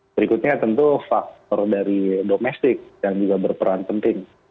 berikutnya tentu faktor dari domestik yang juga berperan penting